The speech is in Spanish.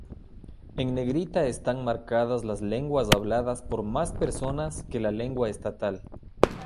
En negrita están marcadas las lenguas habladas por más personas que la lengua estatal.